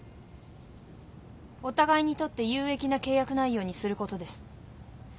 お互いにとって有益な契約内容にすることです。